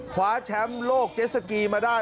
คว้าแชมป์โลกเจสสกีมาได้